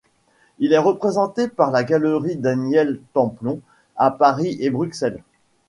Il est représenté par la galerie Daniel Templon à Paris et Bruxelles.